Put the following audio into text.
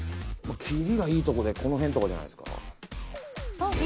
切りがいいとこでこのへんとかじゃないですか。